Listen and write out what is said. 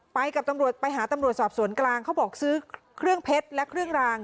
กับตำรวจไปหาตำรวจสอบสวนกลางเขาบอกซื้อเครื่องเพชรและเครื่องราง